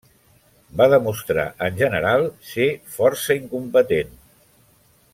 Va demostrar en general ser força incompetent.